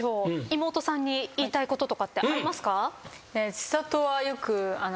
妹さんに言いたいこととかってありますか？